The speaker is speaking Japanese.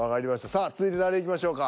さあ続いて誰いきましょうか。